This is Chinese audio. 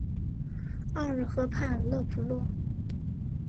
奥尔河畔勒普若。